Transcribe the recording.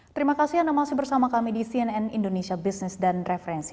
terima kasih anda masih bersama kami di cnn indonesia business dan referensi